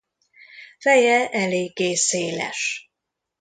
Feje eléggé széles.